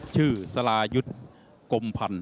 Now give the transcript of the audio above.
ชื่อสรายุทธิ์กมพันธุ์